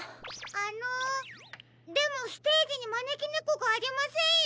あのでもステージにまねきねこがありませんよ。